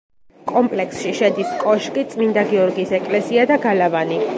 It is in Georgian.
კომპლექსში შედის კოშკი, წმინდა გიორგის ეკლესია და გალავანი.